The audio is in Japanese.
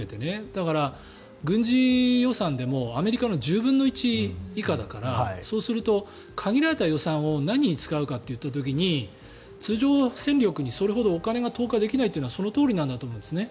だから軍事予算でもアメリカの１０分の１以下だからそうすると限られた予算を何に使うかという時に通常戦力にそれほどお金が投下できないというのはそのとおりなんだと思うんですね。